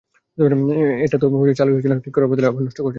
এটাতো চালুই হচ্ছে না ঠিক করার বদলে আরো নষ্ট করেছেন?